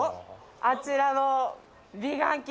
あちらの。